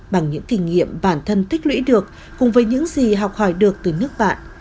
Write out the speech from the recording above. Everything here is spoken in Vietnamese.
bằng những kinh nghiệm bản thân tích lũy được cùng với những gì học hỏi được từ nước bạn